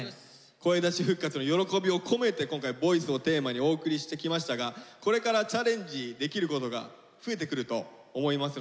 声出し復活の喜びを込めて今回「ＶＯＩＣＥ」をテーマにお送りしてきましたがこれからチャレンジできることが増えてくると思いますのでね